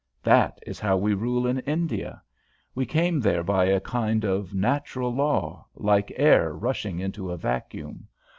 That is how we rule India. We came there by a kind of natural law, like air rushing into a vacuum.